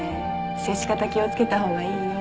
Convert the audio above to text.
接し方気を付けた方がいいよ。